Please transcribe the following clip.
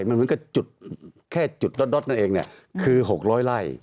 มันเหมือนกับจุดแค่จุดล็อตนั่นเองคือ๖๐๐ไร่